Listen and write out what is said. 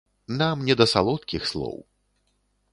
Нам не да салодкіх слоў.